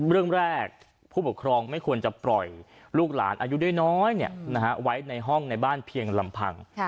เรื่องแรกผู้ปกครองไม่ควรจะปล่อยลูกหลานอายุน้อยไว้ในห้องในบ้านเพียงลำพัง